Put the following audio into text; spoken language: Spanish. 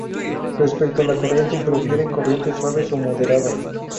Respecto a la corriente, prefieren corrientes suaves o moderadas.